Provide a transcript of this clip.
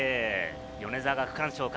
米澤が区間賞か？